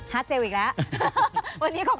ฮาร์ทเซลล์อีกแล้ว